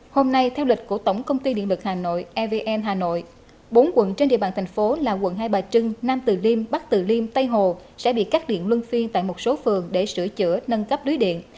hôm nay theo lịch của tổng công ty điện lực hà nội evn hà nội bốn quận trên địa bàn thành phố là quận hai bà trưng nam từ liêm bắc tử liêm tây hồ sẽ bị cắt điện luân phiên tại một số phường để sửa chữa nâng cấp lưới điện